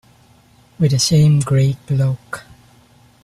With the same grey cloak.